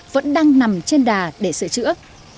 vẫn đang nằm trên đà để sửa chữa